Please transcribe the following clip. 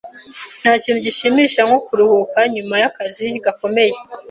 Ntakintu gishimishije nko kuruhuka nyuma yakazi gakomeye.